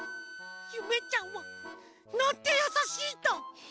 ゆめちゃんはなんてやさしいんだ。